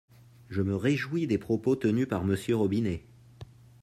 Je me réjouis des propos tenus par Monsieur Robinet.